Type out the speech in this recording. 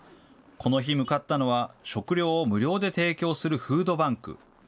この日、向かったのは、食料を無料で提供するフードバンク。